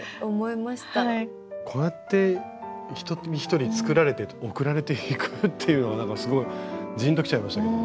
こうやって一人一人作られて送られていくっていうのがなんかすごいジンときちゃいましたけど。